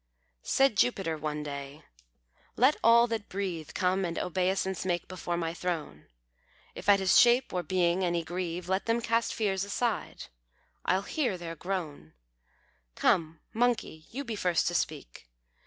Said Jupiter one day, "Let all that breathe Come and obeisance make before my throne. If at his shape or being any grieve, Let them cast fears aside. I'll hear their groan. Come, Monkey, you be first to speak.